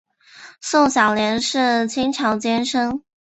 宋小濂是清朝监生。